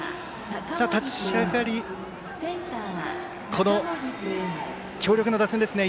立ち上がり、強力な打線ですね。